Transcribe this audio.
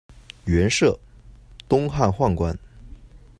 袁赦，东汉宦官。